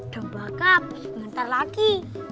domba cup sebentar lagi